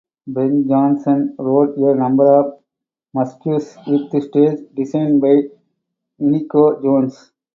Ben Jonson wrote a number of masques with stage design by Inigo Jones.